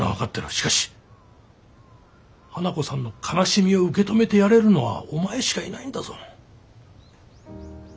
しかし花子さんの悲しみを受け止めてやれるのはお前しかいないんだぞ。